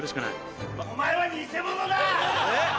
お前は偽者だ！